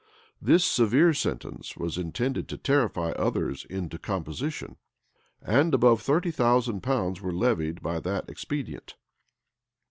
[] This severe sentence was intended to terrify others into composition; and above thirty thousand pounds were levied by that expedient.